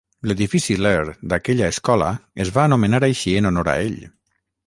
L'Edifici Lehr d'aquella escola es va anomenar així en honor a ell.